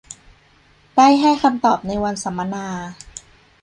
ได้ให้คำตอบในวันสัมมนา